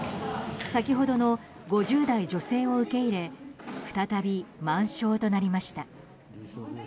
先ほどの５０代女性を受け入れ再び満床となりました。